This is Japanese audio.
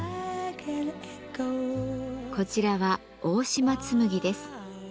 こちらは大島つむぎです。